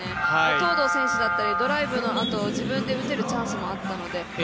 東藤選手だったり、ドライブのあと自分で打てるチャンスもあったのであ